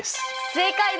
正解です！